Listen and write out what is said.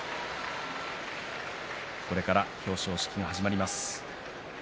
これから表彰式が始まります。